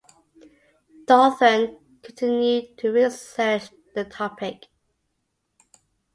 Dothan continued to research the topic.